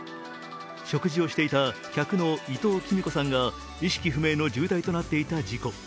食事をしていた脚の伊藤キミ子さんが意識不明の重体となっていた事故。